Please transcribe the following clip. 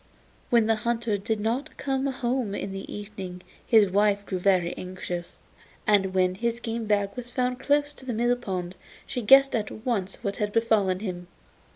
When the hunter did not come home in the evening his wife grew very anxious, and when his game bag was found close to the mill pond she guessed at once what had befallen him.